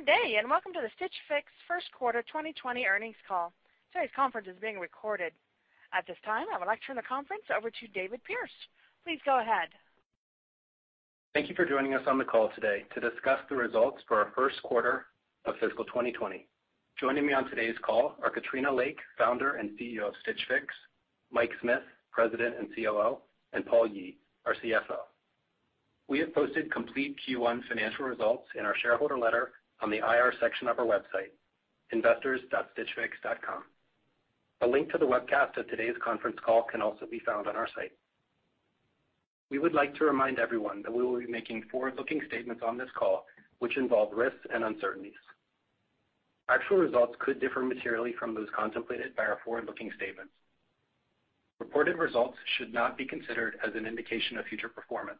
Good day, and welcome to the Stitch Fix First Quarter 2020 Earnings Call. Today's conference is being recorded. At this time, I would like to turn the conference over to David Pearce. Please go ahead. Thank you for joining us on the call today to discuss the results for our first quarter of fiscal 2020. Joining me on today's call are Katrina Lake, Founder and CEO of Stitch Fix; Mike Smith, President and COO; and Paul Yee, our CFO. We have posted complete Q1 financial results in our shareholder letter on the IR section of our website, investors.stitchfix.com. A link to the webcast of today's conference call can also be found on our site. We would like to remind everyone that we will be making forward-looking statements on this call, which involve risks and uncertainties. Actual results could differ materially from those contemplated by our forward-looking statements. Reported results should not be considered as an indication of future performance.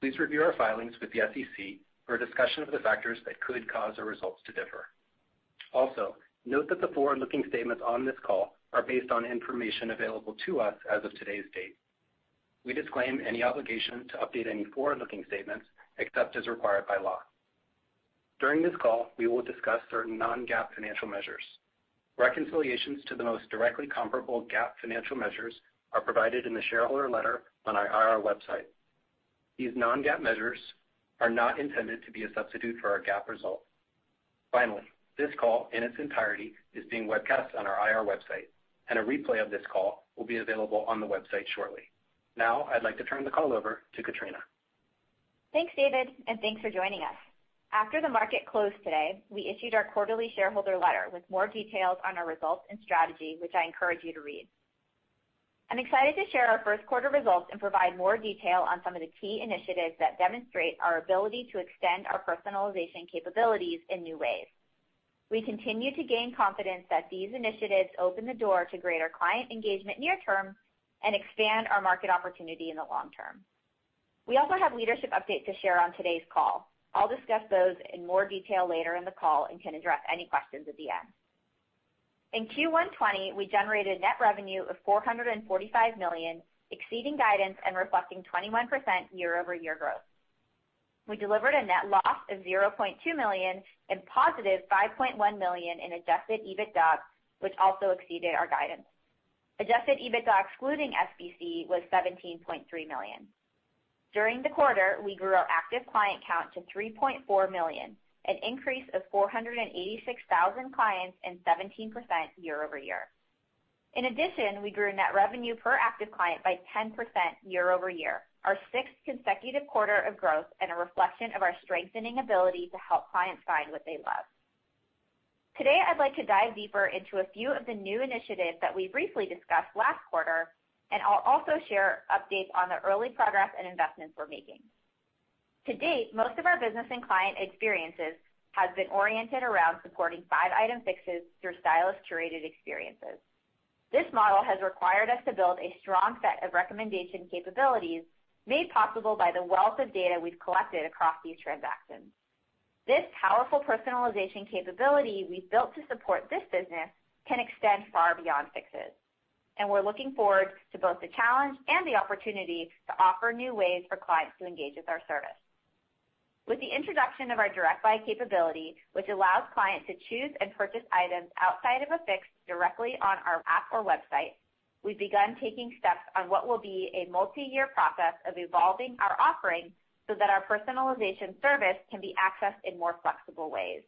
Please review our filings with the SEC for a discussion of the factors that could cause the results to differ. Also, note that the forward-looking statements on this call are based on information available to us as of today's date. We disclaim any obligation to update any forward-looking statements except as required by law. During this call, we will discuss certain non-GAAP financial measures. Reconciliations to the most directly comparable GAAP financial measures are provided in the shareholder letter on our IR website. These non-GAAP measures are not intended to be a substitute for our GAAP result. Finally, this call in its entirety is being webcast on our IR website, and a replay of this call will be available on the website shortly. Now, I'd like to turn the call over to Katrina. Thanks, David, and thanks for joining us. After the market closed today, we issued our quarterly shareholder letter with more details on our results and strategy, which I encourage you to read. I'm excited to share our first quarter results and provide more detail on some of the key initiatives that demonstrate our ability to extend our personalization capabilities in new ways. We continue to gain confidence that these initiatives open the door to greater client engagement near-term and expand our market opportunity in the long term. We also have leadership updates to share on today's call. I'll discuss those in more detail later in the call and can address any questions at the end. In Q1 2020, we generated net revenue of $445 million, exceeding guidance and reflecting 21% year-over-year growth. We delivered a net loss of $0.2 million and +$5.1 million in adjusted EBITDA, which also exceeded our guidance. Adjusted EBITDA excluding SBC was $17.3 million. During the quarter, we grew our active client count to 3.4 million, an increase of 486,000 clients and 17% year-over-year. In addition, we grew net revenue per active client by 10% year-over-year, our sixth consecutive quarter of growth and a reflection of our strengthening ability to help clients find what they love. Today, I'd like to dive deeper into a few of the new initiatives that we briefly discussed last quarter, and I'll also share updates on the early progress and investments we're making. To date, most of our business and client experiences have been oriented around supporting five-item Fixes through stylish curated experiences. This model has required us to build a strong set of recommendation capabilities made possible by the wealth of data we've collected across these transactions. This powerful personalization capability we've built to support this business can extend far beyond Fixes, and we're looking forward to both the challenge and the opportunity to offer new ways for clients to engage with our service. With the introduction of our Direct Buy capability, which allows clients to choose and purchase items outside of a Fix directly on our app or website, we've begun taking steps on what will be a multi-year process of evolving our offering so that our personalization service can be accessed in more flexible ways.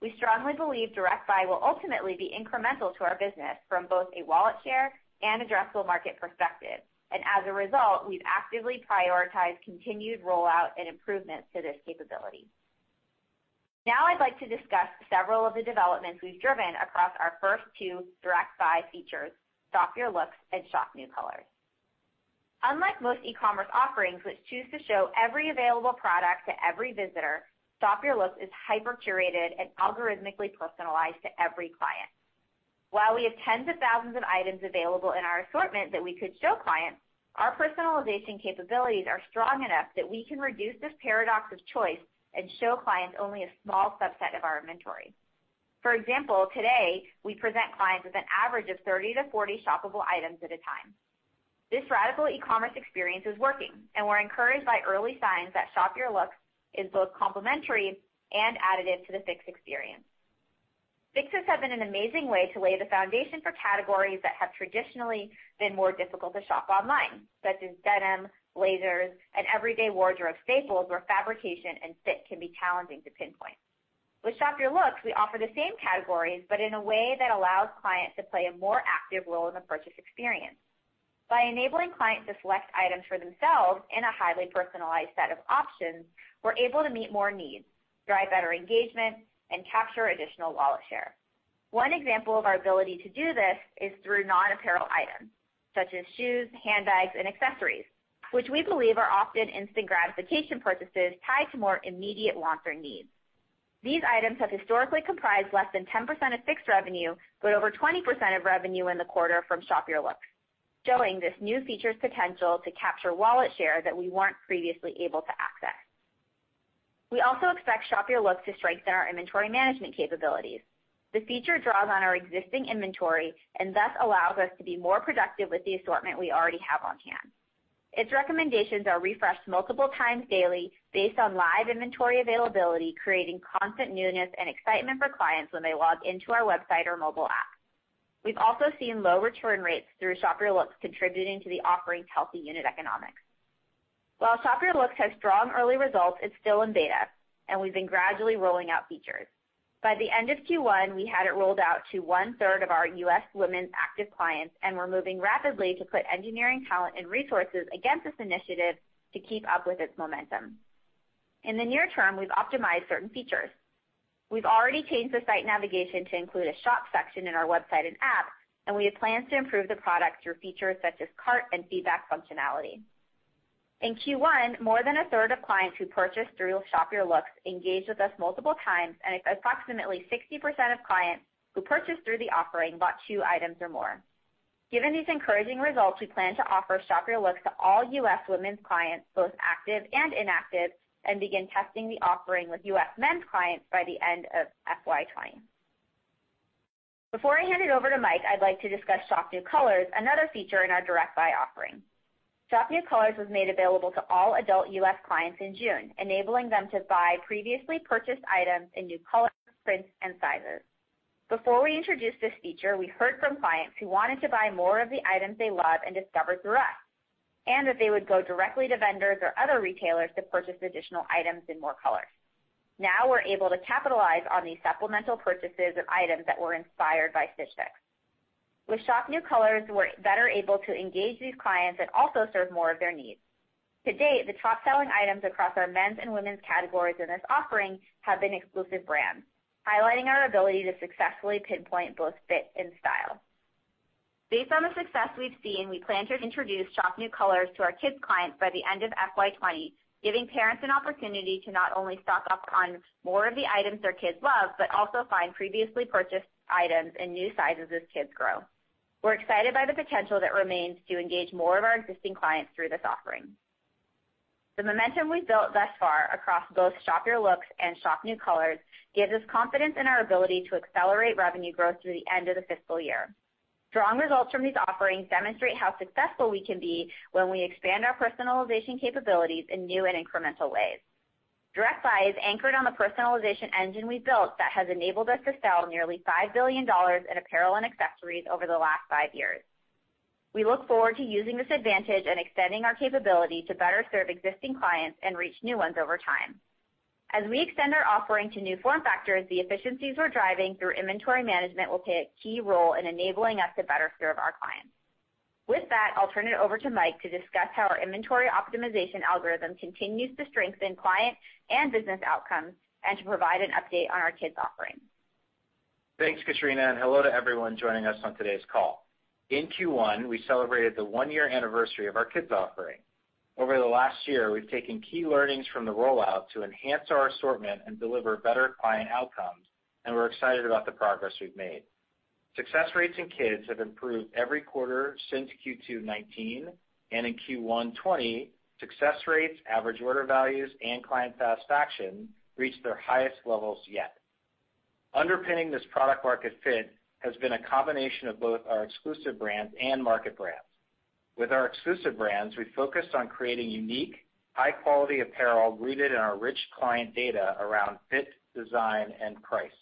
We strongly believe Direct Buy will ultimately be incremental to our business from both a wallet share and addressable market perspective, and as a result, we've actively prioritized continued rollout and improvements to this capability. Now, I'd like to discuss several of the developments we've driven across our first two Direct Buy features, Shop Your Looks and Shop New Colors. Unlike most e-commerce offerings, which choose to show every available product to every visitor, Shop Your Looks is hyper-curated and algorithmically personalized to every client. While we have tens of thousands of items available in our assortment that we could show clients, our personalization capabilities are strong enough that we can reduce this paradox of choice and show clients only a small subset of our inventory. For example, today, we present clients with an average of 30-40 shoppable items at a time. This radical e-commerce experience is working, and we're encouraged by early signs that Shop Your Looks is both complementary and additive to the Fix experience. Fixes have been an amazing way to lay the foundation for categories that have traditionally been more difficult to shop online, such as denim, blazers, and everyday wardrobe staples where fabrication and fit can be challenging to pinpoint. With Shop Your Looks, we offer the same categories but in a way that allows clients to play a more active role in the purchase experience. By enabling clients to select items for themselves in a highly personalized set of options, we're able to meet more needs, drive better engagement, and capture additional wallet share. One example of our ability to do this is through non-apparel items such as shoes, handbags, and accessories, which we believe are often instant gratification purchases tied to more immediate want or need. These items have historically comprised less than 10% of Fix revenue but over 20% of revenue in the quarter from Shop Your Looks, showing this new feature's potential to capture wallet share that we weren't previously able to access. We also expect Shop Your Looks to strengthen our inventory management capabilities. The feature draws on our existing inventory and thus allows us to be more productive with the assortment we already have on hand. Its recommendations are refreshed multiple times daily based on live inventory availability, creating constant newness and excitement for clients when they log into our website or mobile app. We've also seen low return rates through Shop Your Looks contributing to the offering's healthy unit economics. While Shop Your Looks has strong early results, it's still in beta, and we've been gradually rolling out features. By the end of Q1, we had it rolled out to 1/3 of our U.S. Women's active clients and were moving rapidly to put engineering talent and resources against this initiative to keep up with its momentum. In the near term, we've optimized certain features. We've already changed the site navigation to include a shop section in our website and app, and we have plans to improve the product through features such as cart and feedback functionality. In Q1, more than 1/3 of clients who purchased through Shop Your Looks engaged with us multiple times, and approximately 60% of clients who purchased through the offering bought two items or more. Given these encouraging results, we plan to offer Shop Your Looks to all U.S. Women's clients, both active and inactive, and begin testing the offering with U.S. Men's clients by the end of FY 2020. Before I hand it over to Mike, I'd like to discuss Shop New Colors, another feature in our Direct Buy offering. Shop New Colors was made available to all adult U.S. clients in June, enabling them to buy previously purchased items in new colors, prints, and sizes. Before we introduced this feature, we heard from clients who wanted to buy more of the items they love and discovered through us, and that they would go directly to vendors or other retailers to purchase additional items in more colors. Now, we're able to capitalize on these supplemental purchases of items that were inspired by Stitch Fix. With Shop New Colors, we're better able to engage these clients and also serve more of their needs. To date, the top-selling items across our Men's and Women's categories in this offering have been exclusive brands, highlighting our ability to successfully pinpoint both fit and style. Based on the success we've seen, we plan to introduce Shop New Colors to our Kids clients by the end of FY 2020, giving parents an opportunity to not only stock up on more of the items their Kids love but also find previously purchased items in new sizes as Kids grow. We're excited by the potential that remains to engage more of our existing clients through this offering. The momentum we've built thus far across both Shop Your Looks and Shop New Colors gives us confidence in our ability to accelerate revenue growth through the end of the fiscal year. Strong results from these offerings demonstrate how successful we can be when we expand our personalization capabilities in new and incremental ways. Direct Buy is anchored on the personalization engine we built that has enabled us to sell nearly $5 billion in apparel and accessories over the last five years. We look forward to using this advantage and extending our capability to better serve existing clients and reach new ones over time. As we extend our offering to new form factors, the efficiencies we're driving through inventory management will play a key role in enabling us to better serve our clients. With that, I'll turn it over to Mike to discuss how our inventory optimization algorithm continues to strengthen client and business outcomes and to provide an update on our Kids offering. Thanks, Katrina, and hello to everyone joining us on today's call. In Q1, we celebrated the one-year anniversary of our Kids offering. Over the last year, we've taken key learnings from the rollout to enhance our assortment and deliver better client outcomes, and we're excited about the progress we've made. Success rates in Kids have improved every quarter since Q2 2019, and in Q1 2020, success rates, average order values, and client satisfaction reached their highest levels yet. Underpinning this product-market fit has been a combination of both our exclusive brands and market brands. With our exclusive brands, we focused on creating unique, high-quality apparel rooted in our rich client data around fit, design, and price.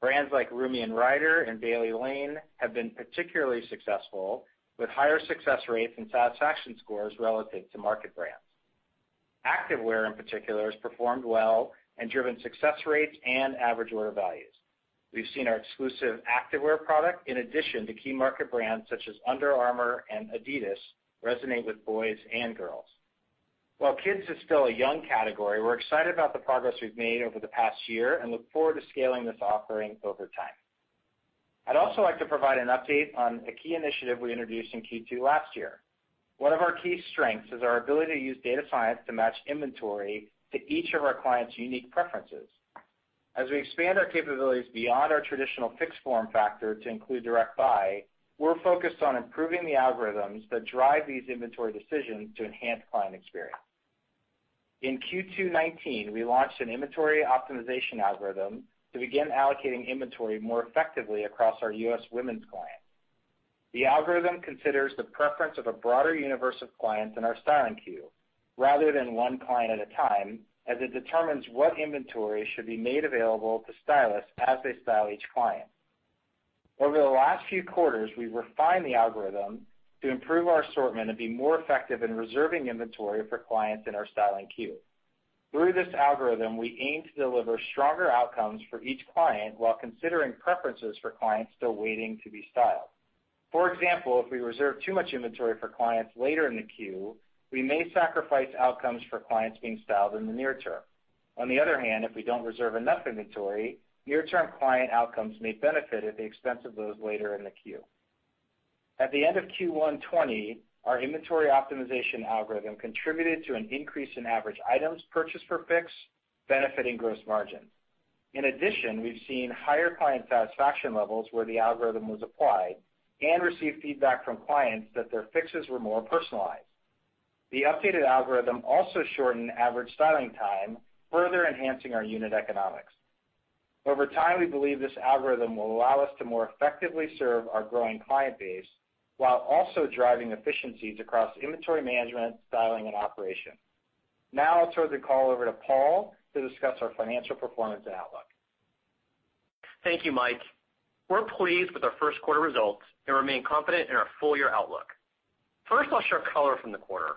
Brands like Rumi + Ryder and Bailey Lane have been particularly successful, with higher success rates and satisfaction scores relative to market brands. Activewear, in particular, has performed well and driven success rates and average order values. We've seen our exclusive activewear product, in addition to key market brands such as Under Armour and Adidas, resonate with boys and girls. While Kids is still a young category, we're excited about the progress we've made over the past year and look forward to scaling this offering over time. I'd also like to provide an update on a key initiative we introduced in Q2 last year. One of our key strengths is our ability to use data science to match inventory to each of our clients' unique preferences. As we expand our capabilities beyond our traditional Fix form factor to include Direct Buy, we're focused on improving the algorithms that drive these inventory decisions to enhance client experience. In Q2 2019, we launched an inventory optimization algorithm to begin allocating inventory more effectively across our U.S. Women's clients. The algorithm considers the preference of a broader universe of clients in our styling queue rather than one client at a time, as it determines what inventory should be made available to stylists as they style each client. Over the last few quarters, we've refined the algorithm to improve our assortment and be more effective in reserving inventory for clients in our styling queue. Through this algorithm, we aim to deliver stronger outcomes for each client while considering preferences for clients still waiting to be styled. For example, if we reserve too much inventory for clients later in the queue, we may sacrifice outcomes for clients being styled in the near term. On the other hand, if we don't reserve enough inventory, near-term client outcomes may benefit at the expense of those later in the queue. At the end of Q1 2020, our inventory optimization algorithm contributed to an increase in average items purchased for Fix, benefiting gross margins. In addition, we've seen higher client satisfaction levels where the algorithm was applied and received feedback from clients that their Fixes were more personalized. The updated algorithm also shortened average styling time, further enhancing our unit economics. Over time, we believe this algorithm will allow us to more effectively serve our growing client base while also driving efficiencies across inventory management, styling, and operation. Now, I'll turn the call over to Paul to discuss our financial performance and outlook. Thank you, Mike. We're pleased with our first quarter results and remain confident in our full-year outlook. First, I'll share a color from the quarter.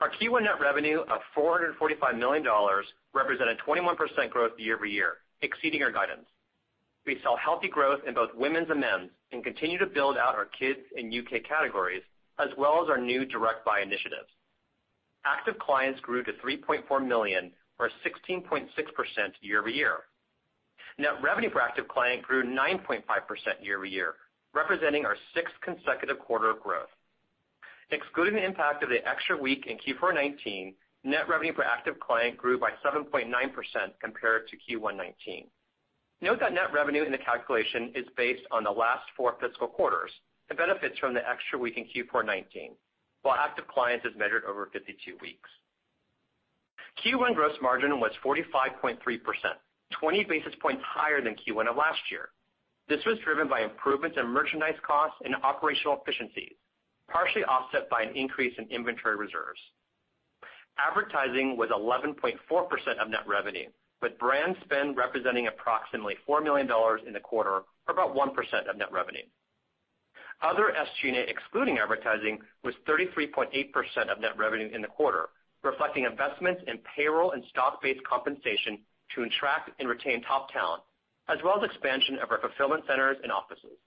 Our Q1 net revenue of $445 million represented 21% growth year-over-year, exceeding our guidance. We saw healthy growth in both Women's and Men's and continue to build out our Kids and U.K. categories as well as our new Direct Buy initiatives. Active clients grew to 3.4 million, or 16.6% year-over-year. Net revenue per active client grew 9.5% year-over-year, representing our sixth consecutive quarter of growth. Excluding the impact of the extra week in Q4 2019, net revenue per active client grew by 7.9% compared to Q1 2019. Note that net revenue in the calculation is based on the last four fiscal quarters and benefits from the extra week in Q4 2019, while active clients is measured over 52 weeks. Q1 gross margin was 45.3%, 20 basis points higher than Q1 of last year. This was driven by improvements in merchandise costs and operational efficiencies, partially offset by an increase in inventory reserves. Advertising was 11.4% of net revenue, with brand spend representing approximately $4 million in the quarter, or about 1% of net revenue. Other SG&A, excluding advertising, was 33.8% of net revenue in the quarter, reflecting investments in payroll and stock-based compensation to attract and retain top talent, as well as expansion of our fulfillment centers and offices.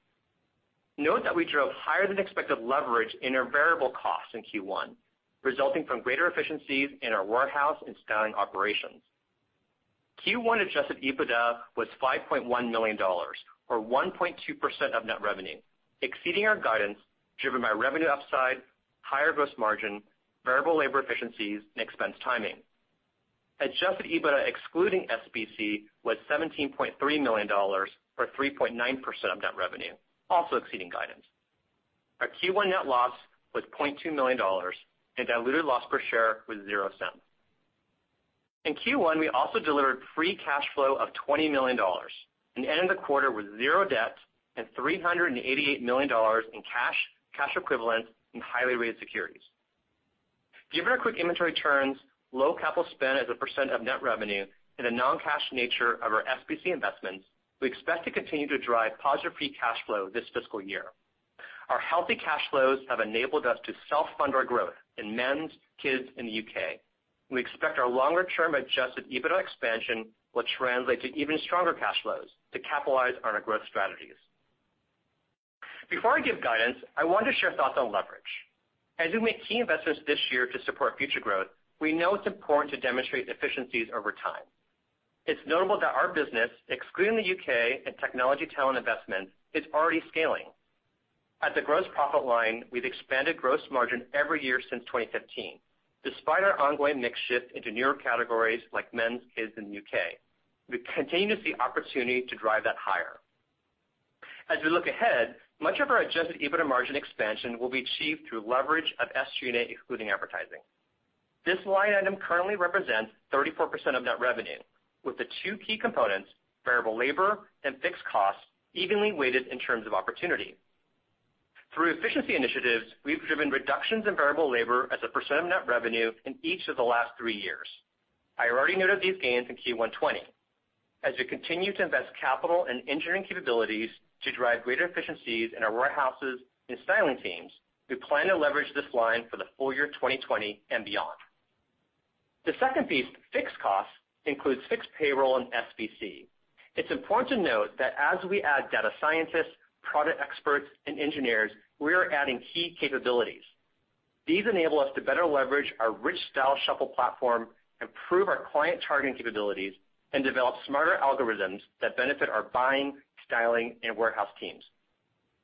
Note that we drove higher-than-expected leverage in our variable costs in Q1, resulting from greater efficiencies in our warehouse and styling operations. Q1 Adjusted EBITDA was $5.1 million, or 1.2% of net revenue, exceeding our guidance driven by revenue upside, higher gross margin, variable labor efficiencies, and expense timing. Adjusted EBITDA, excluding SBC, was $17.3 million, or 3.9% of net revenue, also exceeding guidance. Our Q1 net loss was $0.2 million, and diluted loss per share was $0. In Q1, we also delivered free cash flow of $20 million, and ended the quarter with zero debt and $388 million in cash, cash equivalents, and highly rated securities. Given our quick inventory turns, low capital spend as a percent of net revenue, and the non-cash nature of our SBC investments, we expect to continue to drive positive free cash flow this fiscal year. Our healthy cash flows have enabled us to self-fund our growth in Men's, Kids, and the U.K. We expect our longer-term adjusted EBITDA expansion will translate to even stronger cash flows to capitalize on our growth strategies. Before I give guidance, I want to share thoughts on leverage. As we make key investments this year to support future growth, we know it's important to demonstrate efficiencies over time. It's notable that our business, excluding the U.K. and technology talent investments, is already scaling. At the gross profit line, we've expanded gross margin every year since 2015. Despite our ongoing mix shift into newer categories like Men's, Kids, and the U.K., we continue to see opportunity to drive that higher. As we look ahead, much of our Adjusted EBITDA margin expansion will be achieved through leverage of SG&A, excluding advertising. This line item currently represents 34% of net revenue, with the two key components, variable labor and fixed costs, evenly weighted in terms of opportunity. Through efficiency initiatives, we've driven reductions in variable labor as a percent of net revenue in each of the last three years. I already noted these gains in Q1 2020. As we continue to invest capital and engineering capabilities to drive greater efficiencies in our warehouses and styling teams, we plan to leverage this line for the full year 2020 and beyond. The second piece, fixed costs, includes fixed payroll and SBC. It's important to note that as we add data scientists, product experts, and engineers, we are adding key capabilities. These enable us to better leverage our rich Style Shuffle platform, improve our client targeting capabilities, and develop smarter algorithms that benefit our buying, styling, and warehouse teams.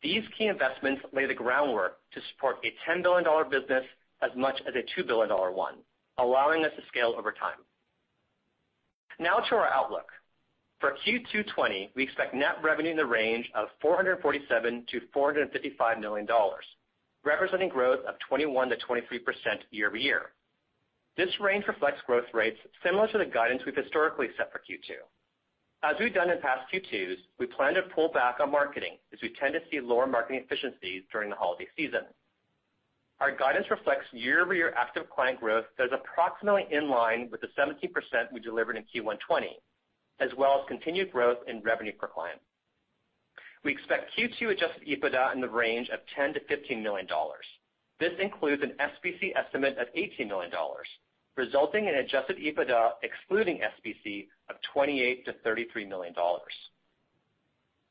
These key investments lay the groundwork to support a $10 billion business as much as a $2 billion one, allowing us to scale over time. Now to our outlook. For Q2 2020, we expect net revenue in the range of $447 million-$455 million, representing growth of 21%-23% year-over-year. This range reflects growth rates similar to the guidance we've historically set for Q2. As we've done in past Q2s, we plan to pull back on marketing as we tend to see lower marketing efficiencies during the holiday season. Our guidance reflects year-over-year active client growth that is approximately in line with the 17% we delivered in Q1 2020, as well as continued growth in revenue per client. We expect Q2 adjusted EBITDA in the range of $10 million-$15 million. This includes an SBC estimate of $18 million, resulting in adjusted EBITDA, excluding SBC, of $28 million-$33 million.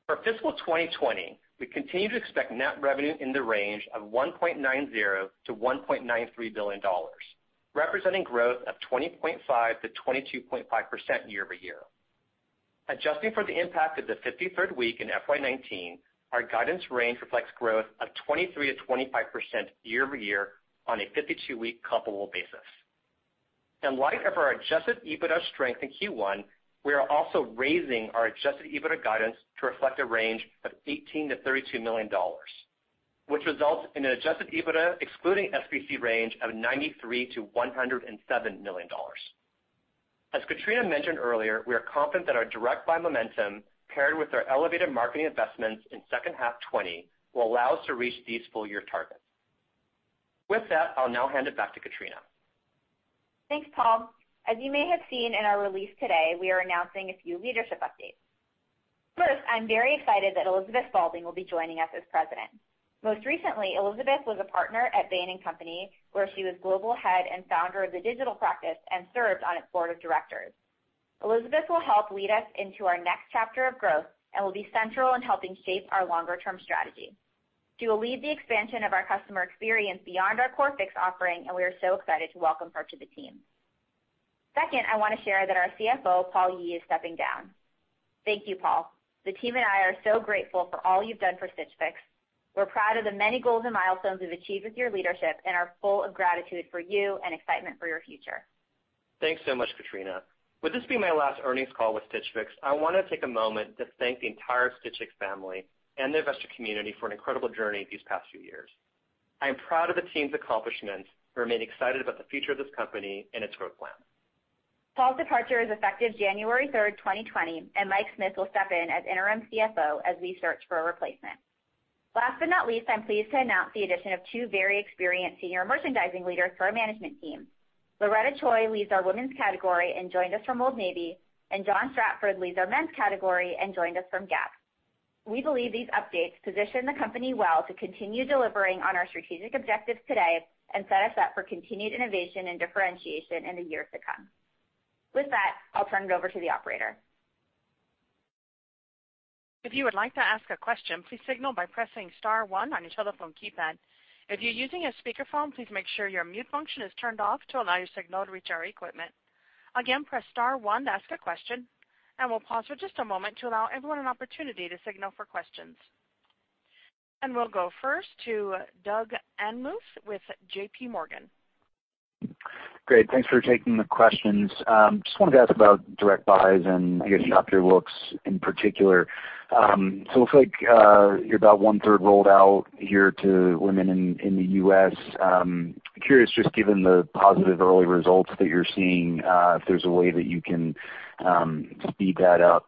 For fiscal 2020, we continue to expect net revenue in the range of $1.90 billion-$1.93 billion, representing growth of 20.5%-22.5% year-over-year. Adjusting for the impact of the 53rd week in FY 2019, our guidance range reflects growth of 23%-25% year-over-year on a 52-week comparable basis. In light of our adjusted EBITDA strength in Q1, we are also raising our adjusted EBITDA guidance to reflect a range of $18 million-$32 million, which results in an adjusted EBITDA, excluding SBC, range of $93 million-$107 million. As Katrina mentioned earlier, we are confident that our Direct Buy momentum, paired with our elevated marketing investments in second half 2020, will allow us to reach these full-year targets. With that, I'll now hand it back to Katrina. Thanks, Paul. As you may have seen in our release today, we are announcing a few leadership updates. First, I'm very excited that Elizabeth Spaulding will be joining us as President. Most recently, Elizabeth was a partner at Bain & Company, where she was Global Head and Founder of the Digital Practice and served on its Board of Directors. Elizabeth will help lead us into our next chapter of growth and will be central in helping shape our longer-term strategy. She will lead the expansion of our customer experience beyond our core Fix offering, and we are so excited to welcome her to the team. Second, I want to share that our CFO, Paul Yee, is stepping down. Thank you, Paul. The team and I are so grateful for all you've done for Stitch Fix. We're proud of the many goals and milestones we've achieved with your leadership and are full of gratitude for you and excitement for your future. Thanks so much, Katrina. With this being my last earnings call with Stitch Fix, I want to take a moment to thank the entire Stitch Fix family and the investor community for an incredible journey these past few years. I am proud of the team's accomplishments and remain excited about the future of this company and its growth plan. Paul's departure is effective January 3rd, 2020, and Mike Smith will step in as interim CFO as we search for a replacement. Last but not least, I'm pleased to announce the addition of two very experienced senior merchandising leaders to our management team. Loretta Choy leads our Women's category and joined us from Old Navy, and John Stratford leads our Men's category and joined us from Gap. We believe these updates position the company well to continue delivering on our strategic objectives today and set us up for continued innovation and differentiation in the years to come. With that, I'll turn it over to the operator. If you would like to ask a question, please signal by pressing star one on your telephone keypad. If you're using a speakerphone, please make sure your mute function is turned off to allow your signal to reach our equipment. Again, press star one to ask a question, and we'll pause for just a moment to allow everyone an opportunity to signal for questions. And we'll go first to Doug Anmuth with JPMorgan. Great. Thanks for taking the questions. Just wanted to ask about Direct Buys and, I guess, Shop Your Looks in particular. So it looks like you're about 1/3 rolled out here to women in the U.S. Curious, just given the positive early results that you're seeing, if there's a way that you can speed that up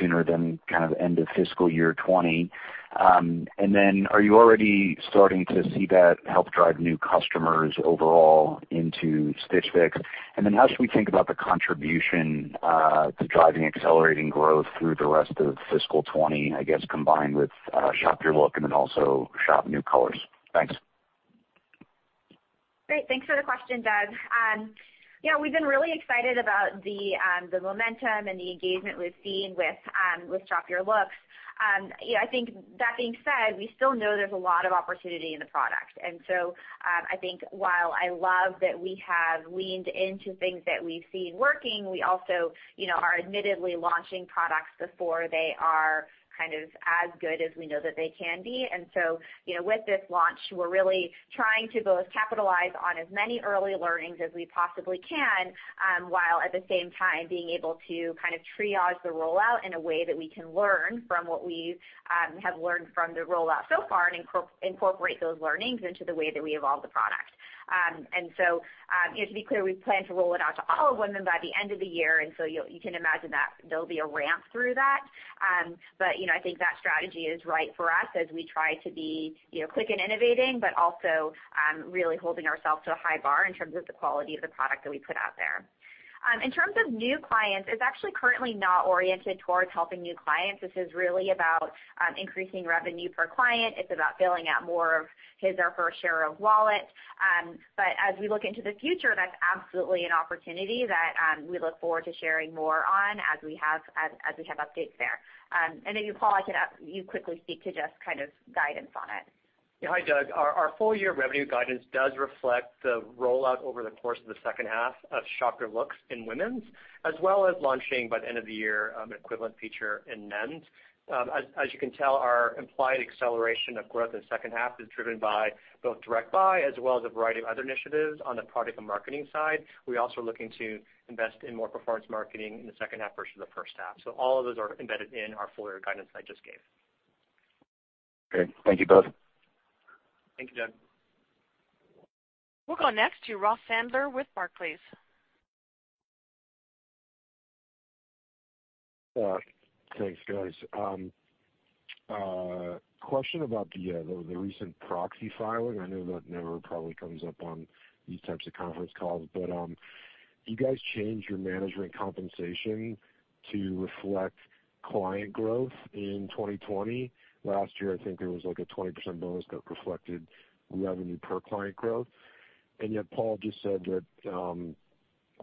sooner than kind of end of fiscal year 2020. And then are you already starting to see that help drive new customers overall into Stitch Fix? And then how should we think about the contribution to driving accelerating growth through the rest of fiscal 2020, I guess, combined with Shop Your Looks and then also Shop New Colors? Thanks. Great. Thanks for the question, Doug. Yeah, we've been really excited about the momentum and the engagement we've seen with Shop Your Looks. I think that being said, we still know there's a lot of opportunity in the product. And so I think while I love that we have leaned into things that we've seen working, we also are admittedly launching products before they are kind of as good as we know that they can be. And so with this launch, we're really trying to both capitalize on as many early learnings as we possibly can while, at the same time, being able to kind of triage the rollout in a way that we can learn from what we have learned from the rollout so far and incorporate those learnings into the way that we evolve the product. And so to be clear, we plan to roll it out to all of women by the end of the year. And so you can imagine that there'll be a ramp through that. But I think that strategy is right for us as we try to be quick and innovative, but also really holding ourselves to a high bar in terms of the quality of the product that we put out there. In terms of new clients, it's actually currently not oriented towards helping new clients. This is really about increasing revenue per client. It's about filling out more of his or her share of wallet. But as we look into the future, that's absolutely an opportunity that we look forward to sharing more on as we have updates there. And maybe, Paul, you quickly speak to just kind of guidance on it. Yeah. Hi, Doug. Our full-year revenue guidance does reflect the rollout over the course of the second half of Shop Your Looks in Women's, as well as launching by the end of the year an equivalent feature in Men's. As you can tell, our implied acceleration of growth in the second half is driven by both Direct Buy as well as a variety of other initiatives on the product and marketing side. We also are looking to invest in more performance marketing in the second half versus the first half. So all of those are embedded in our full-year guidance that I just gave. Great. Thank you both. Thank you, Doug. We'll go next to Ross Sandler with Barclays. Thanks, guys. Question about the recent proxy filing. I know that probably never comes up on these types of conference calls. But you guys changed your management compensation to reflect client growth in 2020. Last year, I think there was like a 20% bonus that reflected revenue per client growth. And yet, Paul just said that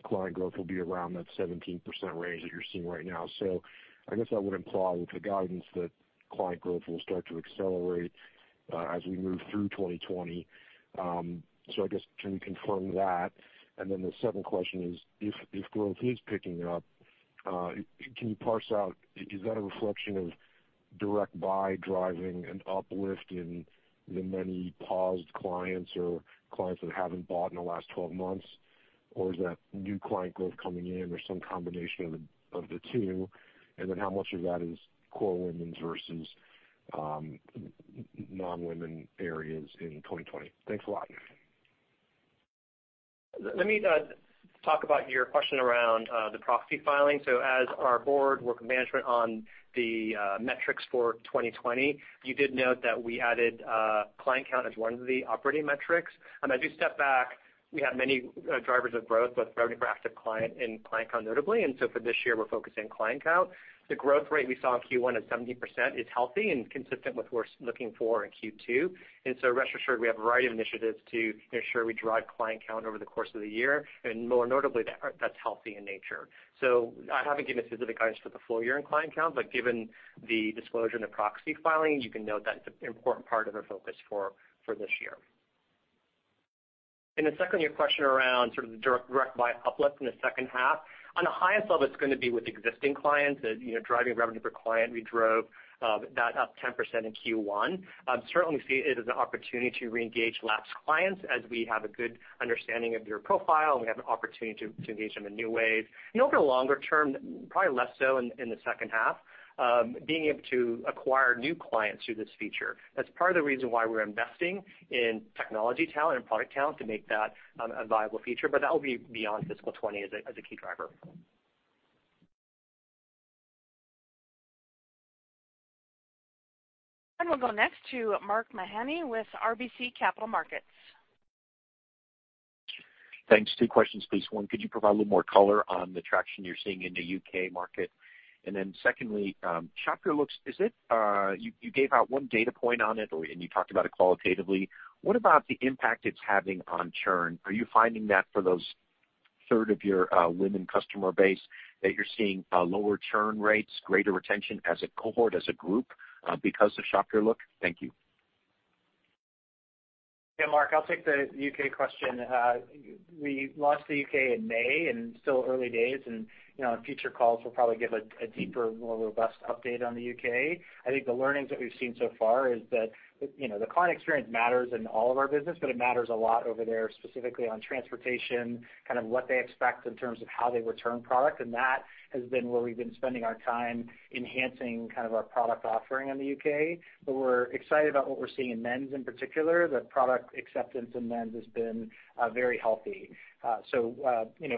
client growth will be around that 17% range that you're seeing right now. So I guess that would imply with the guidance that client growth will start to accelerate as we move through 2020. So I guess can we confirm that? And then the second question is, if growth is picking up, can you parse out, is that a reflection of Direct Buy driving an uplift in the many paused clients or clients that haven't bought in the last 12 months? Or is that new client growth coming in or some combination of the two? And then how much of that is core Women's versus non-Women areas in 2020? Thanks a lot. Let me talk about your question around the proxy filing. So as our board worked with management on the metrics for 2020, you did note that we added client count as one of the operating metrics. And as you step back, we have many drivers of growth, both revenue per active client and client count notably. And so for this year, we're focusing on client count. The growth rate we saw in Q1 at 17% is healthy and consistent with what we're looking for in Q2. And so rest assured, we have a variety of initiatives to ensure we drive client count over the course of the year. And more notably, that's healthy in nature. So I haven't given specific guidance for the full year in client count, but given the disclosure and the proxy filing, you can note that it's an important part of our focus for this year. And then secondly, your question around sort of the Direct Buy uplift in the second half. On the highest level, it's going to be with existing clients. Driving revenue per client, we drove that up 10% in Q1. Certainly, we see it as an opportunity to re-engage lapsed clients as we have a good understanding of your profile and we have an opportunity to engage them in new ways. And over the longer term, probably less so in the second half, being able to acquire new clients through this feature. That's part of the reason why we're investing in technology talent and product talent to make that a viable feature. But that will be beyond fiscal 2020 as a key driver. And we'll go next to Mark Mahaney with RBC Capital Markets. Thanks. Two questions, please. One, could you provide a little more color on the traction you're seeing in the U.K. market? And then secondly, Shop Your Looks, you gave out one data point on it and you talked about it qualitatively. What about the impact it's having on churn? Are you finding that for those third of your women customer base that you're seeing lower churn rates, greater retention as a cohort, as a group because of Shop Your Looks? Thank you. Yeah, Mark, I'll take the U.K. question. We launched the U.K. in May and still early days. And future calls will probably give a deeper, more robust update on the U.K. I think the learnings that we've seen so far is that the client experience matters in all of our business, but it matters a lot over there, specifically on transportation, kind of what they expect in terms of how they return product. And that has been where we've been spending our time enhancing kind of our product offering in the U.K. But we're excited about what we're seeing in Men's in particular. The product acceptance in Men's has been very healthy. So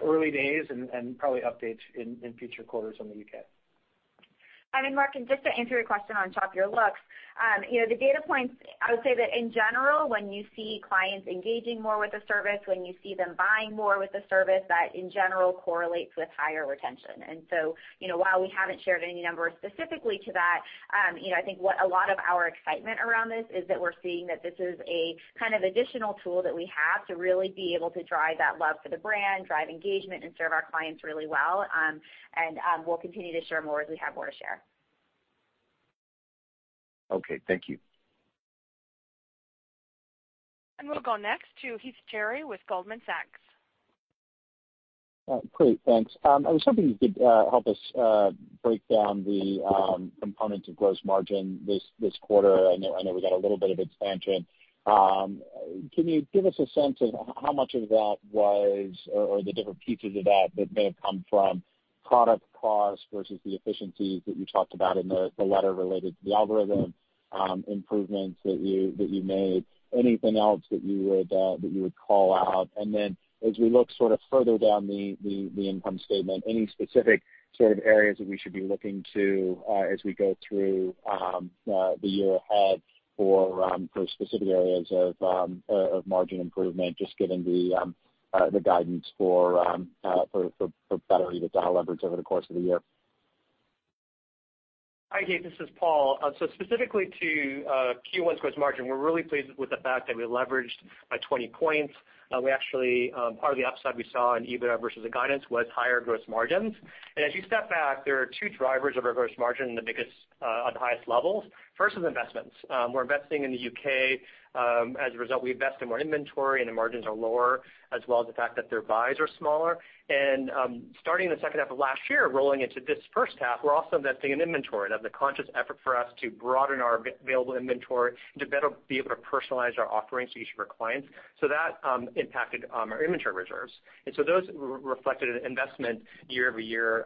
early days and probably updates in future quarters in the U.K. And then, Mark, and just to answer your question on Shop Your Looks, the data points, I would say that in general, when you see clients engaging more with the service, when you see them buying more with the service, that in general correlates with higher retention. And so while we haven't shared any number specifically to that, I think what a lot of our excitement around this is that we're seeing that this is a kind of additional tool that we have to really be able to drive that love for the brand, drive engagement, and serve our clients really well. And we'll continue to share more as we have more to share. Okay. Thank you. We'll go next to Heath Terry with Goldman Sachs. Great. Thanks. I was hoping you could help us break down the components of gross margin this quarter. I know we got a little bit of expansion. Can you give us a sense of how much of that was or the different pieces of that that may have come from product cost versus the efficiencies that you talked about in the letter related to the algorithm, improvements that you made? Anything else that you would call out? And then as we look sort of further down the income statement, any specific sort of areas that we should be looking to as we go through the year ahead for specific areas of margin improvement, just given the guidance for better EBITDA leverage over the course of the year? Hi, Heath. This is Paul. So specifically to Q1's gross margin, we're really pleased with the fact that we leveraged by 20 points. Part of the upside we saw in EBITDA versus the guidance was higher gross margins. And as you step back, there are two drivers of our gross margin at the highest levels. First is investments. We're investing in the U.K. As a result, we invest in more inventory and the margins are lower, as well as the fact that their buys are smaller. And starting in the second half of last year, rolling into this first half, we're also investing in inventory. That's a conscious effort for us to broaden our available inventory to better be able to personalize our offerings to each of our clients. So that impacted our inventory reserves. And so those reflected investment year over year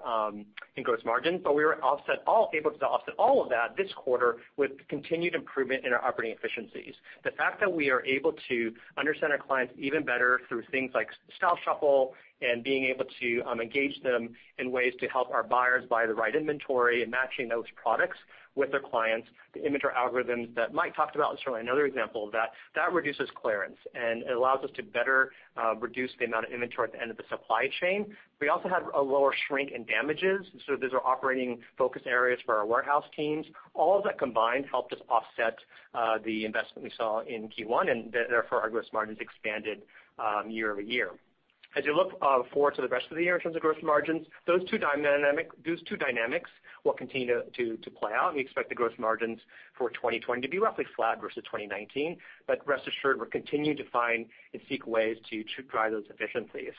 in gross margins. But we were able to offset all of that this quarter with continued improvement in our operating efficiencies. The fact that we are able to understand our clients even better through things like Style Shuffle and being able to engage them in ways to help our buyers buy the right inventory and matching those products with our clients, the inventory algorithms that Mike talked about is certainly another example of that. That reduces clearance and allows us to better reduce the amount of inventory at the end of the supply chain. We also had a lower shrink in damages. So those are operating focus areas for our warehouse teams. All of that combined helped us offset the investment we saw in Q1, and therefore our gross margins expanded year over year. As you look forward to the rest of the year in terms of gross margins, those two dynamics will continue to play out. We expect the gross margins for 2020 to be roughly flat versus 2019. But rest assured, we're continuing to find and seek ways to drive those efficiencies.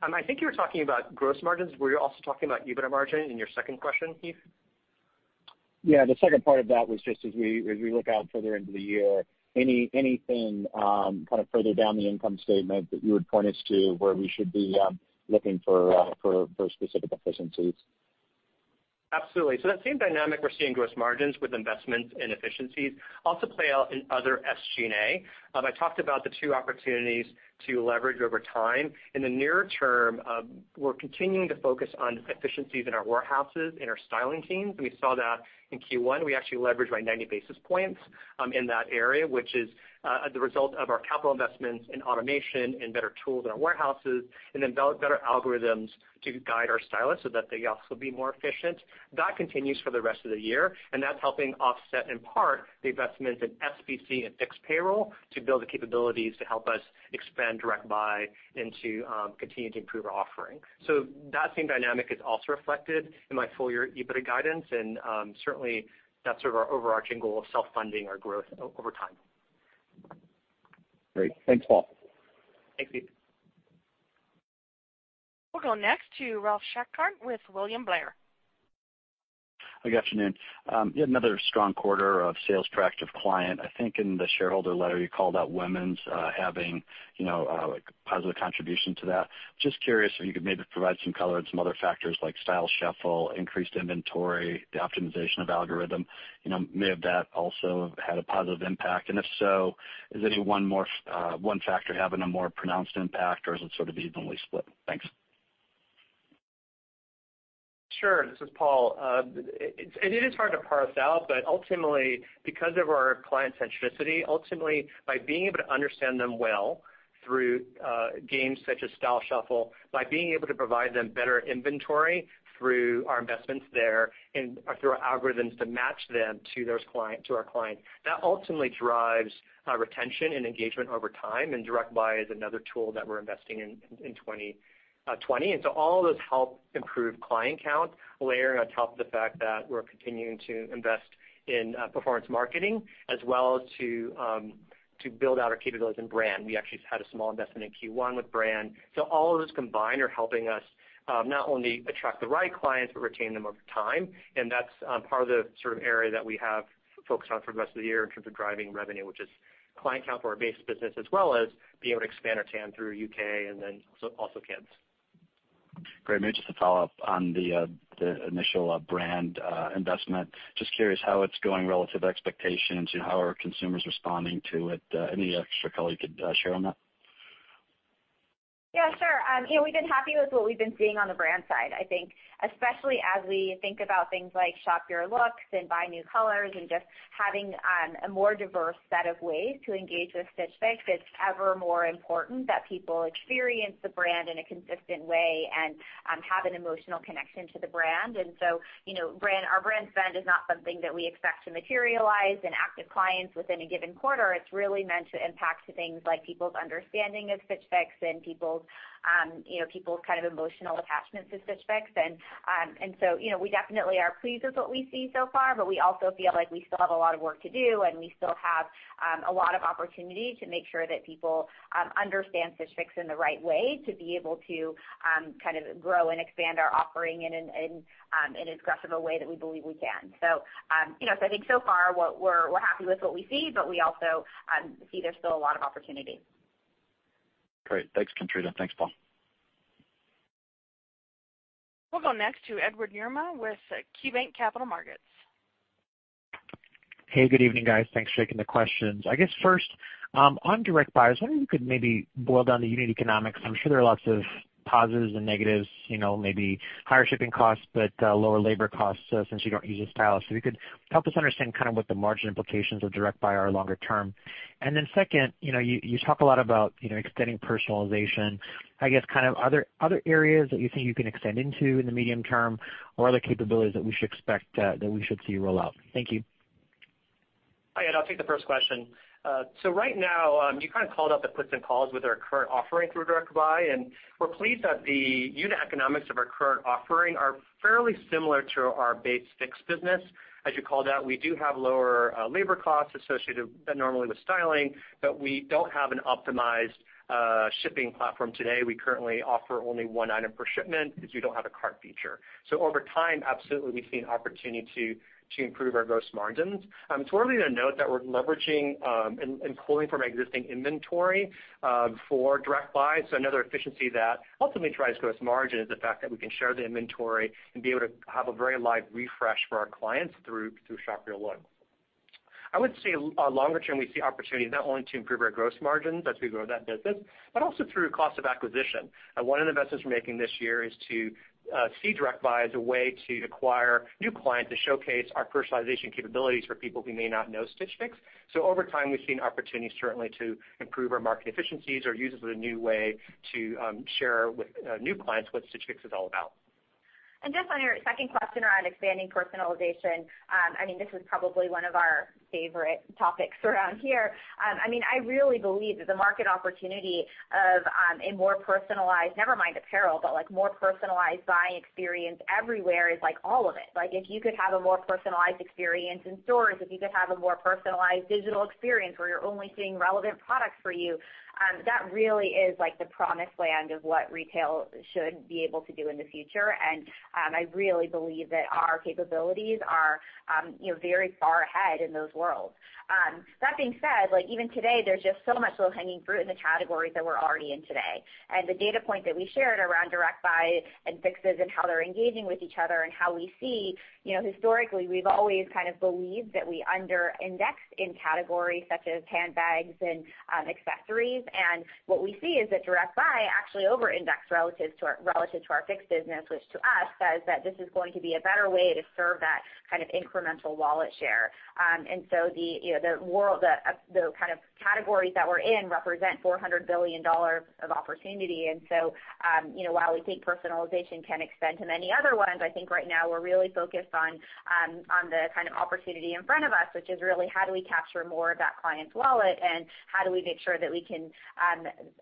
I think you were talking about gross margins. Were you also talking about EBITDA margin in your second question, Heath? Yeah. The second part of that was just as we look out further into the year, anything kind of further down the income statement that you would point us to where we should be looking for specific efficiencies? Absolutely, so that same dynamic we're seeing in gross margins with investments and efficiencies also play out in other SG&A. I talked about the two opportunities to leverage over time. In the near term, we're continuing to focus on efficiencies in our warehouses and our styling teams, and we saw that in Q1. We actually leveraged by 90 basis points in that area, which is the result of our capital investments in automation and better tools in our warehouses and then better algorithms to guide our stylists so that they also be more efficient. That continues for the rest of the year, and that's helping offset in part the investments in SBC and fixed payroll to build the capabilities to help us expand Direct Buy into continuing to improve our offering, so that same dynamic is also reflected in my full-year EBITDA guidance. Certainly, that's sort of our overarching goal of self-funding our growth over time. Great. Thanks, Paul. Thanks, Heath. We'll go next to Ralph Schackart with William Blair. Hi, good afternoon. Yet another strong quarter of sales growth of clients. I think in the shareholder letter, you called out Women's having a positive contribution to that. Just curious if you could maybe provide some color on some other factors like Style Shuffle, increased inventory, the optimization algorithm. Might any of that also have had a positive impact? And if so, is any one factor having a more pronounced impact, or is it sort of evenly split? Thanks. Sure. This is Paul. And it is hard to parse out, but ultimately, because of our client centricity, ultimately, by being able to understand them well through games such as Style Shuffle, by being able to provide them better inventory through our investments there and through our algorithms to match them to our clients, that ultimately drives retention and engagement over time. And Direct Buy is another tool that we're investing in 2020. And so all of those help improve client count, layering on top of the fact that we're continuing to invest in performance marketing as well as to build out our capabilities in brand. We actually had a small investment in Q1 with brand. So all of those combined are helping us not only attract the right clients, but retain them over time. That's part of the sort of area that we have focused on for the rest of the year in terms of driving revenue, which is client count for our base business, as well as being able to expand our TAM through U.K. and then also Kids. Great. Maybe just to follow up on the initial brand investment, just curious how it's going relative to expectations and how are consumers responding to it? Any extra color you could share on that? Yeah, sure. We've been happy with what we've been seeing on the brand side, I think, especially as we think about things like Shop Your Looks and Shop New Colors and just having a more diverse set of ways to engage with Stitch Fix. It's ever more important that people experience the brand in a consistent way and have an emotional connection to the brand, and so our brand spend is not something that we expect to materialize in active clients within a given quarter. It's really meant to impact things like people's understanding of Stitch Fix and people's kind of emotional attachment to Stitch Fix. We definitely are pleased with what we see so far, but we also feel like we still have a lot of work to do and we still have a lot of opportunity to make sure that people understand Stitch Fix in the right way to be able to kind of grow and expand our offering in as aggressive a way that we believe we can. I think so far, we're happy with what we see, but we also see there's still a lot of opportunity. Great. Thanks, Katrina. Thanks, Paul. We'll go next to Edward Yruma with KeyBanc Capital Markets. Hey, good evening, guys. Thanks for taking the questions. I guess first, on Direct Buy, I wonder if you could maybe boil down the unit economics. I'm sure there are lots of positives and negatives, maybe higher shipping costs, but lower labor costs since you don't use a stylist. If you could help us understand kind of what the margin implications of Direct Buy are longer term. And then second, you talk a lot about extending personalization. I guess kind of other areas that you think you can extend into in the medium term or other capabilities that we should expect to see roll out? Thank you. Hi, I'll take the first question. So right now, you kind of called out the client costs with our current offering through Direct Buy. And we're pleased that the unit economics of our current offering are fairly similar to our base Fix business, as you called out. We do have lower labor costs associated normally with styling, but we don't have an optimized shipping platform today. We currently offer only one item per shipment because we don't have a cart feature. So over time, absolutely, we've seen opportunity to improve our gross margins. It's worthy to note that we're leveraging and pulling from existing inventory for Direct Buy. So another efficiency that ultimately drives gross margin is the fact that we can share the inventory and be able to have a very live refresh for our clients through Shop Your Looks. I would say longer term, we see opportunities not only to improve our gross margins as we grow that business, but also through cost of acquisition. One of the investments we're making this year is to see Direct Buy as a way to acquire new clients to showcase our personalization capabilities for people who may not know Stitch Fix. So over time, we've seen opportunities certainly to improve our market efficiencies, our users with a new way to share with new clients what Stitch Fix is all about. Just on your second question around expanding personalization, I mean, this is probably one of our favorite topics around here. I mean, I really believe that the market opportunity of a more personalized, never mind apparel, but more personalized buying experience everywhere is like all of it. If you could have a more personalized experience in stores, if you could have a more personalized digital experience where you're only seeing relevant products for you, that really is the promised land of what retail should be able to do in the future. I really believe that our capabilities are very far ahead in those worlds. That being said, even today, there's just so much low-hanging fruit in the categories that we're already in today. And the data point that we shared around Direct Buy and Fixes and how they're engaging with each other and how we see, historically, we've always kind of believed that we underindex in categories such as handbags and accessories. And what we see is that Direct Buy actually overindexed relative to our Fix business, which to us says that this is going to be a better way to serve that kind of incremental wallet share. And so the kind of categories that we're in represent $400 billion of opportunity. And so while we think personalization can extend to many other ones, I think right now we're really focused on the kind of opportunity in front of us, which is really how do we capture more of that client's wallet and how do we make sure that we can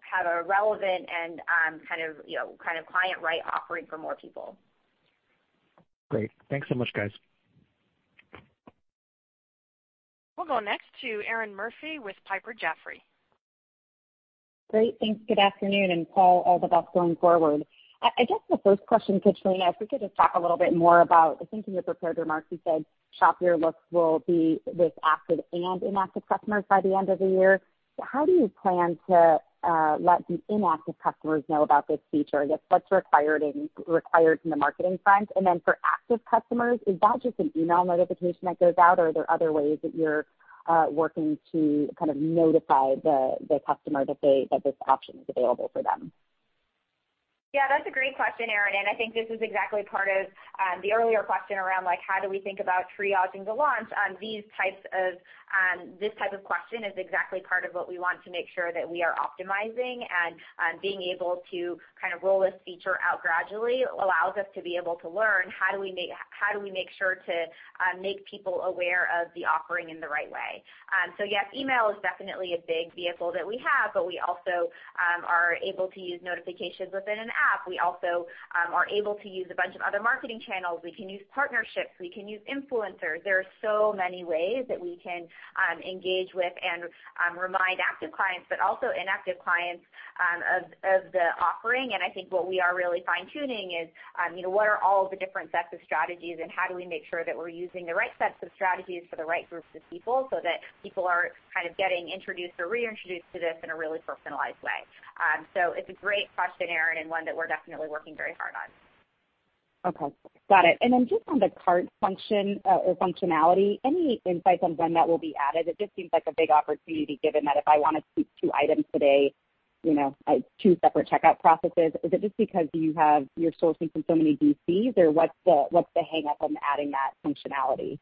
have a relevant and kind of client-right offering for more people. Great. Thanks so much, guys. We'll go next to Erinn Murphy with Piper Jaffray. Great. Thanks. Good afternoon. And Paul, all the best going forward. I guess the first question, Katrina, if we could just talk a little bit more about, I think in your prepared remarks, you said Shop Your Looks will be with active and inactive customers by the end of the year. How do you plan to let the inactive customers know about this feature? I guess what's required from the marketing front? And then for active customers, is that just an email notification that goes out, or are there other ways that you're working to kind of notify the customer that this option is available for them? Yeah, that's a great question, Erinn. I think this is exactly part of the earlier question around how do we think about triaging the launch. This type of question is exactly part of what we want to make sure that we are optimizing. Being able to kind of roll this feature out gradually allows us to be able to learn how do we make sure to make people aware of the offering in the right way. Yes, email is definitely a big vehicle that we have, but we also are able to use notifications within an app. We also are able to use a bunch of other marketing channels. We can use partnerships. We can use influencers. There are so many ways that we can engage with and remind active clients, but also inactive clients of the offering. And I think what we are really fine-tuning is what are all of the different sets of strategies and how do we make sure that we're using the right sets of strategies for the right groups of people so that people are kind of getting introduced or reintroduced to this in a really personalized way. So it's a great question, Erinn, and one that we're definitely working very hard on. Okay. Got it. And then just on the cart function or functionality, any insights on when that will be added? It just seems like a big opportunity given that if I want to speak to two items today, two separate checkout processes, is it just because you're sourcing from so many DCs, or what's the hang-up on adding that functionality?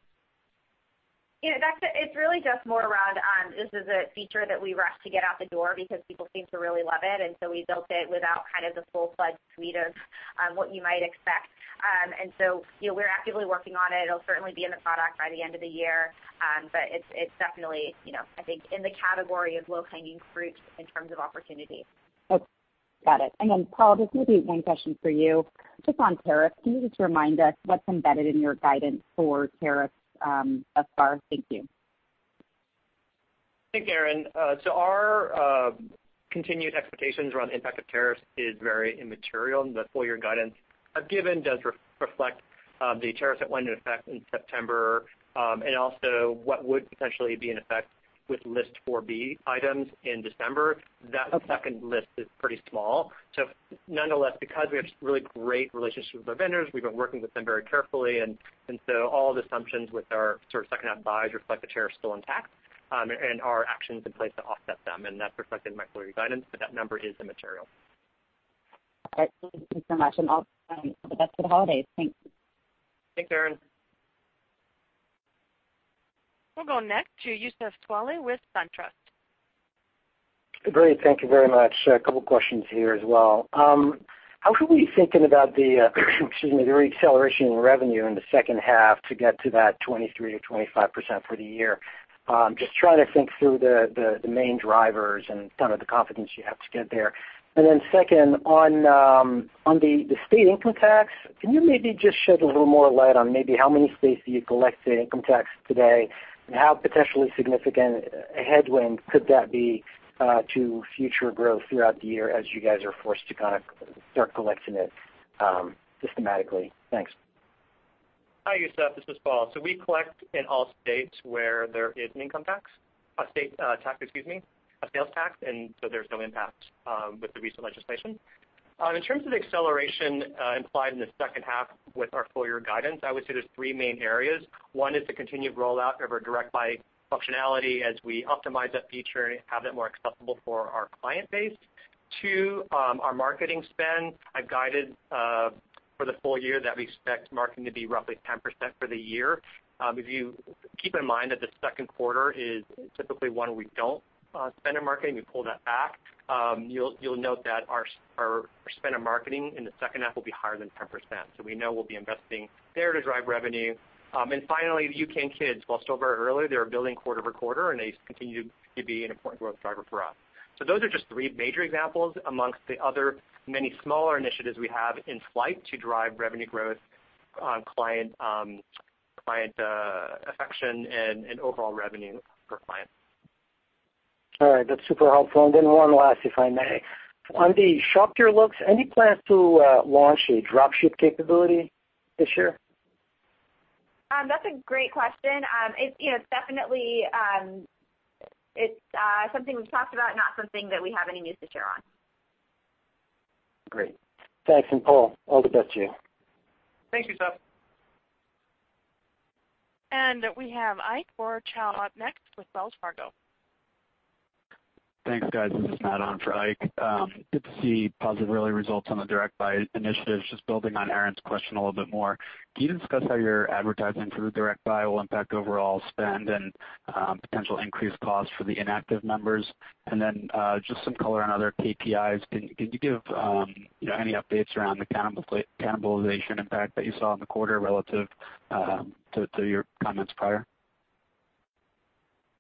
It's really just more around, this is a feature that we rushed to get out the door because people seem to really love it, and so we built it without kind of the full-fledged suite of what you might expect, and so we're actively working on it. It'll certainly be in the product by the end of the year, but it's definitely, I think, in the category of low-hanging fruit in terms of opportunity. Okay. Got it. And then Paul, this may be one question for you. Just on tariffs, can you just remind us what's embedded in your guidance for tariffs thus far? Thank you. Thank you, Erinn. So our continued expectations around the impact of tariffs is very immaterial. And the full-year guidance I've given does reflect the tariffs that went into effect in September and also what would potentially be in effect with List 4B items in December. That second list is pretty small. So nonetheless, because we have really great relationships with our vendors, we've been working with them very carefully. And so all the assumptions with our sort of second-half buys reflect the tariffs still intact and our actions in place to offset them. And that's reflected in my full-year guidance, but that number is immaterial. All right. Thank you so much and all the best for the holidays. Thanks. Thanks, Erinn. We'll go next to Youssef Squali with SunTrust. Great. Thank you very much. A couple of questions here as well. How are we thinking about the, excuse me, the reacceleration in revenue in the second half to get to that 23%-25% for the year? Just trying to think through the main drivers and kind of the confidence you have to get there. And then second, on the state income tax, can you maybe just shed a little more light on maybe how many states do you collect state income tax today and how potentially significant a headwind could that be to future growth throughout the year as you guys are forced to kind of start collecting it systematically? Thanks. Hi, Youssef. This is Paul. So we collect in all states where there is an income tax, a state tax, excuse me, a sales tax, and so there's no impact with the recent legislation. In terms of the acceleration implied in the second half with our full-year guidance, I would say there's three main areas. One is the continued rollout of our Direct Buy functionality as we optimize that feature and have that more accessible for our client base. Two, our marketing spend. I've guided for the full year that we expect marketing to be roughly 10% for the year. If you keep in mind that the second quarter is typically one we don't spend on marketing, we pull that back. You'll note that our spend on marketing in the second half will be higher than 10%. So we know we'll be investing there to drive revenue. And finally, the U.K. and Kids, while still very early, they're building quarter-over-quarter, and they continue to be an important growth driver for us. So those are just three major examples among the other many smaller initiatives we have in flight to drive revenue growth, client satisfaction, and overall revenue per client. All right. That's super helpful. And then one last, if I may. On the Shop Your Looks, any plans to launch a dropship capability this year? That's a great question. It's definitely something we've talked about, not something that we have any news to share on. Great. Thanks, and Paul, all the best to you. Thanks, Youssef. And we have Ike Boruchow next with Wells Fargo. Thanks, guys. This is Matt on for Ike. Good to see positive early results on the Direct Buy initiatives, just building on Erinn's question a little bit more. Can you discuss how your advertising for the Direct Buy will impact overall spend and potential increased costs for the inactive members? And then just some color on other KPIs. Can you give any updates around the cannibalization impact that you saw in the quarter relative to your comments prior?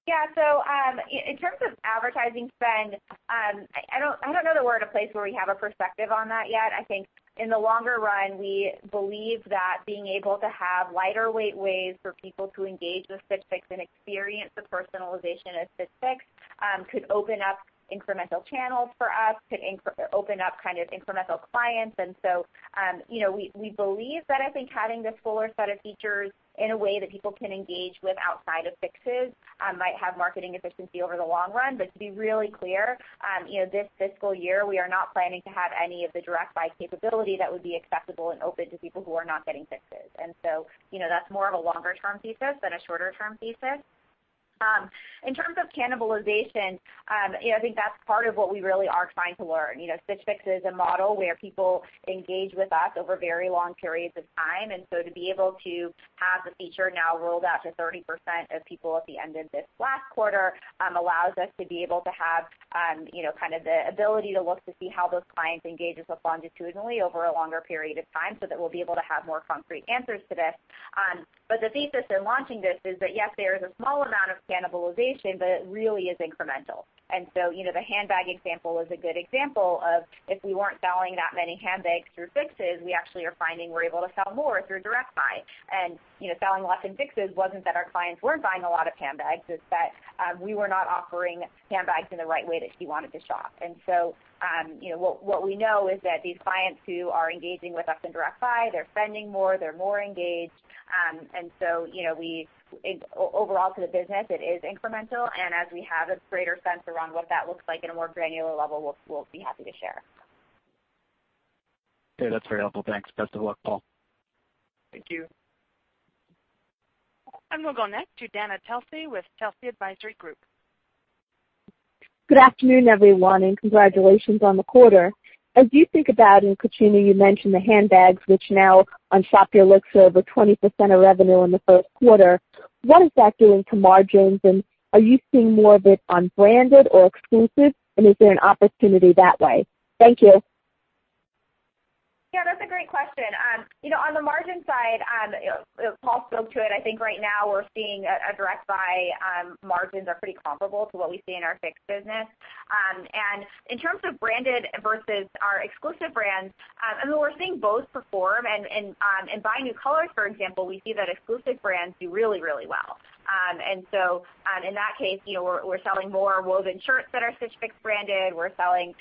Yeah, so in terms of advertising spend, I don't know the word or place where we have a perspective on that yet. I think in the longer run, we believe that being able to have lighter-weight ways for people to engage with Stitch Fix and experience the personalization of Stitch Fix could open up incremental channels for us, could open up kind of incremental clients, and so we believe that I think having this fuller set of features in a way that people can engage with outside of Fixes might have marketing efficiency over the long run, but to be really clear, this fiscal year, we are not planning to have any of the Direct Buy capability that would be accessible and open to people who are not getting Fixes, and so that's more of a longer-term thesis than a shorter-term thesis. In terms of cannibalization, I think that's part of what we really are trying to learn. Stitch Fix is a model where people engage with us over very long periods of time. And so to be able to have the feature now rolled out to 30% of people at the end of this last quarter allows us to be able to have kind of the ability to look to see how those clients engage with us longitudinally over a longer period of time so that we'll be able to have more concrete answers to this. But the thesis in launching this is that, yes, there is a small amount of cannibalization, but it really is incremental. And so the handbag example is a good example of if we weren't selling that many handbags through Fixes, we actually are finding we're able to sell more through Direct Buy. Selling less in Fixes wasn't that our clients weren't buying a lot of handbags. It's that we were not offering handbags in the right way that she wanted to shop. What we know is that these clients who are engaging with us in Direct Buy, they're spending more, they're more engaged. Overall to the business, it is incremental. As we have a greater sense around what that looks like at a more granular level, we'll be happy to share. Okay. That's very helpful. Thanks. Best of luck, Paul. Thank you. We'll go next to Dana Telsey with Telsey Advisory Group. Good afternoon, everyone, and congratulations on the quarter. As you think about, and Katrina, you mentioned the handbags, which now on Shop Your Looks are over 20% of revenue in the first quarter. What is that doing to margins? And are you seeing more of it on branded or exclusive? And is there an opportunity that way? Thank you. Yeah, that's a great question. On the margin side, Paul spoke to it. I think right now we're seeing Direct Buy margins are pretty comparable to what we see in our Fix business. And in terms of branded versus our exclusive brands, I mean, we're seeing both perform. And buying new colors, for example, we see that exclusive brands do really, really well. And so in that case, we're selling more woven shirts that are Stitch Fix branded. We're selling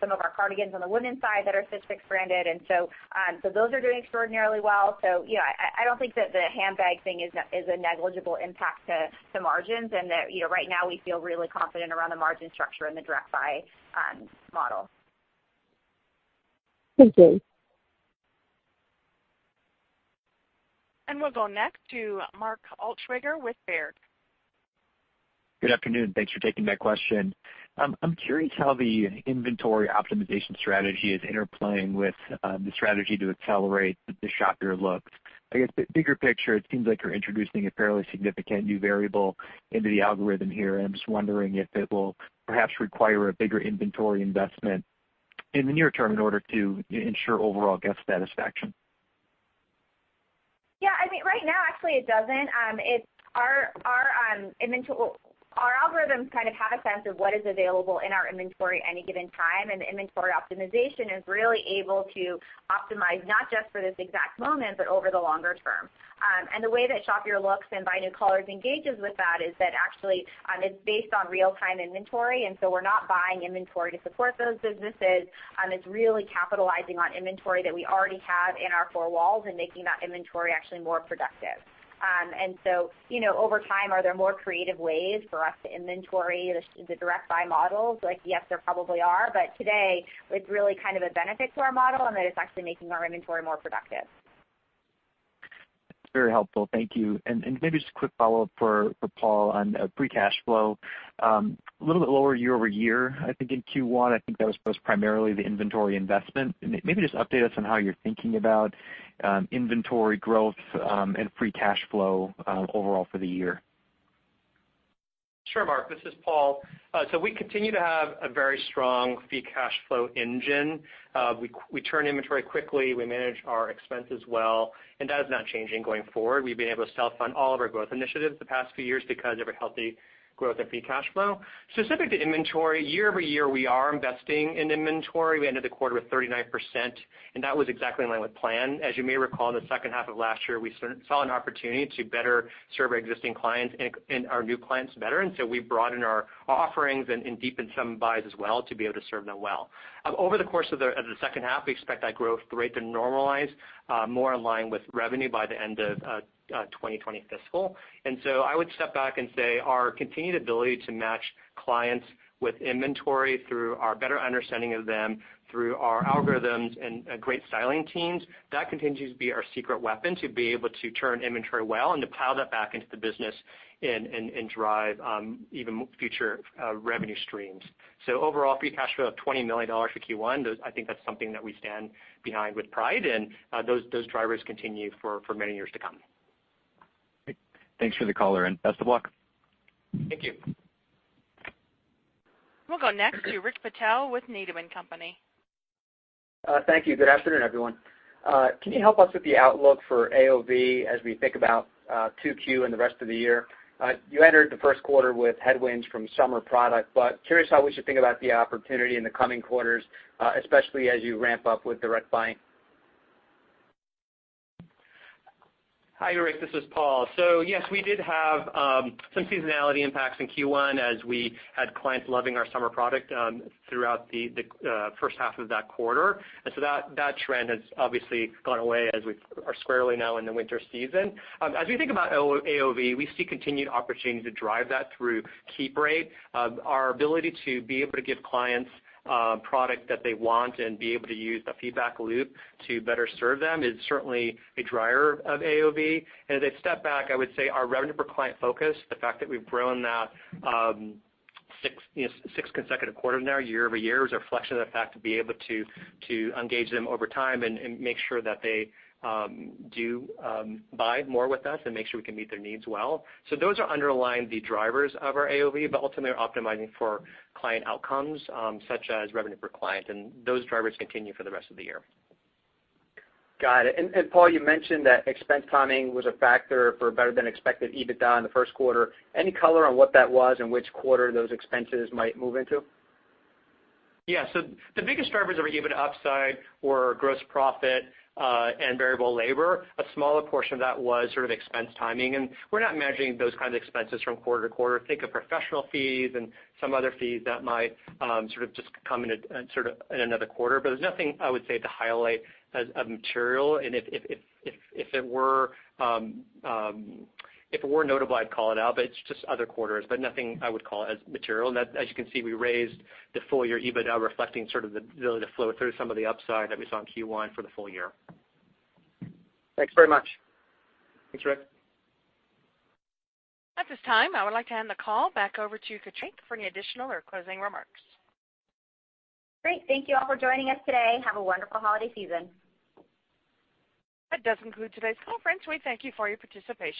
some of our cardigans on the Women's side that are Stitch Fix branded. And so those are doing extraordinarily well. So I don't think that the handbag thing is a negligible impact to margins. And right now, we feel really confident around the margin structure and the Direct Buy model. Thank you. We'll go next to Mark Altschwager with Baird. Good afternoon. Thanks for taking my question. I'm curious how the inventory optimization strategy is interplaying with the strategy to accelerate the Shop Your Looks. I guess bigger picture, it seems like you're introducing a fairly significant new variable into the algorithm here. And I'm just wondering if it will perhaps require a bigger inventory investment in the near term in order to ensure overall guest satisfaction. Yeah. I mean, right now, actually, it doesn't. Our algorithms kind of have a sense of what is available in our inventory at any given time. And the inventory optimization is really able to optimize not just for this exact moment, but over the longer term. And the way that Shop Your Looks and Shop New Colors engages with that is that actually it's based on real-time inventory. And so we're not buying inventory to support those businesses. It's really capitalizing on inventory that we already have in our four walls and making that inventory actually more productive. And so over time, are there more creative ways for us to inventory the Direct Buy models? Yes, there probably are. But today, it's really kind of a benefit to our model and that it's actually making our inventory more productive. Very helpful. Thank you. And maybe just a quick follow-up for Paul on free cash flow. A little bit lower year over year. I think in Q1, I think that was primarily the inventory investment. Maybe just update us on how you're thinking about inventory growth and free cash flow overall for the year? Sure, Mark. This is Paul. So we continue to have a very strong free cash flow engine. We turn inventory quickly. We manage our expenses well. And that is not changing going forward. We've been able to self-fund all of our growth initiatives the past few years because of our healthy growth and free cash flow. Specific to inventory, year over year, we are investing in inventory. We ended the quarter with 39%. And that was exactly in line with plan. As you may recall, in the second half of last year, we saw an opportunity to better serve our existing clients and our new clients better. And so we broadened our offerings and deepened some buys as well to be able to serve them well. Over the course of the second half, we expect that growth rate to normalize more in line with revenue by the end of 2020 fiscal. And so I would step back and say our continued ability to match clients with inventory through our better understanding of them through our algorithms and great styling teams, that continues to be our secret weapon to be able to turn inventory well and to pile that back into the business and drive even future revenue streams. So overall, free cash flow of $20 million for Q1, I think that's something that we stand behind with pride. And those drivers continue for many years to come. Thanks for the call. Best of luck. Thank you. We'll go next to Rick Patel with Needham & Company. Thank you. Good afternoon, everyone. Can you help us with the outlook for AOV as we think about Q2 and the rest of the year? You entered the first quarter with headwinds from summer product, but curious how we should think about the opportunity in the coming quarters, especially as you ramp up with Direct Buy. Hi, Rick. This is Paul. So yes, we did have some seasonality impacts in Q1 as we had clients loving our summer product throughout the first half of that quarter. And so that trend has obviously gone away as we are squarely now in the winter season. As we think about AOV, we see continued opportunities to drive that through keep rate. Our ability to be able to give clients product that they want and be able to use the feedback loop to better serve them is certainly a driver of AOV. As I step back, I would say our revenue per client focus, the fact that we've grown that six consecutive quarters now, year over year, is a reflection of the fact to be able to engage them over time and make sure that they do buy more with us and make sure we can meet their needs well. Those are underlying the drivers of our AOV, but ultimately we're optimizing for client outcomes such as revenue per client. Those drivers continue for the rest of the year. Got it. And Paul, you mentioned that expense timing was a factor for better than expected EBITDA in the first quarter. Any color on what that was and which quarter those expenses might move into? Yeah. So the biggest drivers that we gave it upside were gross profit and variable labor. A smaller portion of that was sort of expense timing. And we're not managing those kinds of expenses from quarter to quarter. Think of professional fees and some other fees that might sort of just come in another quarter. But there's nothing I would say to highlight as material. And if it were notable, I'd call it out, but it's just other quarters. But nothing I would call it as material. And as you can see, we raised the full-year EBITDA reflecting sort of the flow through some of the upside that we saw in Q1 for the full year. Thanks very much. Thanks, Rick. At this time, I would like to hand the call back over to Katrina for any additional or closing remarks. Great. Thank you all for joining us today. Have a wonderful holiday season. That does conclude today's conference. We thank you for your participation.